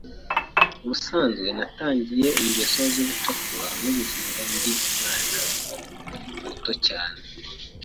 Ubusanzwe natangiye ingeso z’ubucakura n’ubujura ndi umwana muto cyane